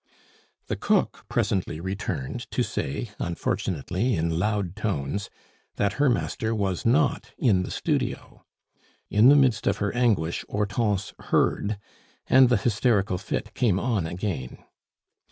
The cook presently returned to say, unfortunately in loud tones, that her master was not in the studio. In the midst of her anguish, Hortense heard, and the hysterical fit came on again.